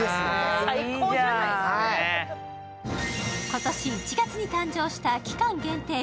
今年１月に誕生した期間限定